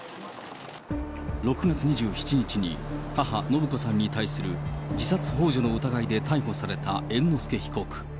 ６月２７日に母、延子さんに対する自殺ほう助の疑いで逮捕された猿之助被告。